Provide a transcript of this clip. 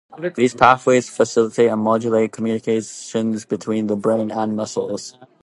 These pathways facilitate and modulate communication between the brain and muscles.